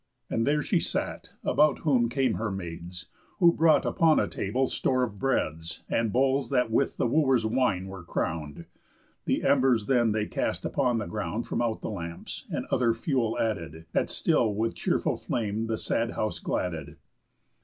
And there she sat; about whom came her maids, Who brought upon a table store of breads, And bowls that with the Wooers' wine were crown'd. The embers then they cast upon the ground From out the lamps, and other fuel added, That still with cheerful flame the sad house gladded.